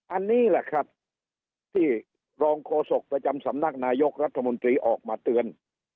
อันนี้แหละครับที่รองโฆษกประจำสำนักนายกรัฐมนตรีออกมาเตือน